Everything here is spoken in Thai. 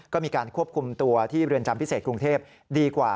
ก็มีการควบคุมตัวที่เรือนจำพิเศษกรุงเทพดีกว่า